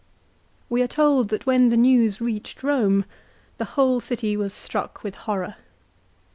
We are told that when the news reached Eome the whole city was struck with horror.